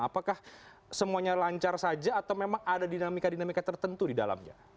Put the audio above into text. apakah semuanya lancar saja atau memang ada dinamika dinamika tertentu di dalamnya